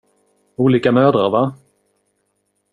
Olika mödrar, va?